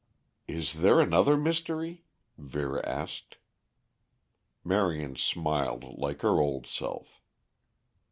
"Is there another mystery?" Vera asked. Marion smiled like her old self.